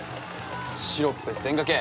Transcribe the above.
シロップ全がけ